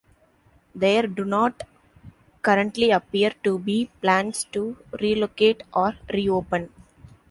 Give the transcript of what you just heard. There do not currently appear to be plans to relocate or reopen.